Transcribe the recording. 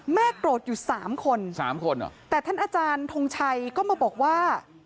แม่โกรธอยู่๓คนแต่ท่านอาจารย์ทรงชัยก็มาบอกว่า